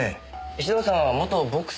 石堂さんは元ボクサーですよね？